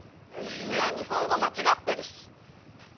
いや日本語まちがってるし。